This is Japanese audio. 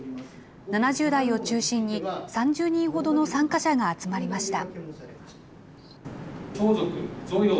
７０代を中心に３０人ほどの参加者が集まりました。